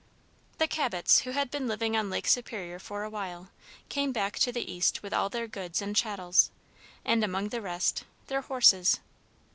The Cabots, who had been living on Lake Superior for a while, came back to the East with all their goods and chattels, and among the rest, their horses.